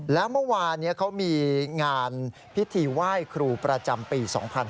แล้วเมื่อวานเขามีงานพิธีไหว้ครูประจำปี๒๕๕๙